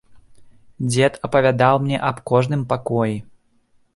Дзед апавядаў мне аб кожным пакоі.